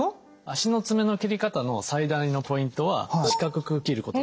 足の爪の切り方の最大のポイントは四角く切ることです。